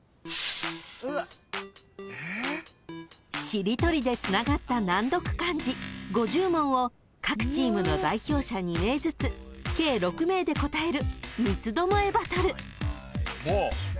［しりとりでつながった難読漢字５０問を各チームの代表者２名ずつ計６名で答える三つ巴バトル］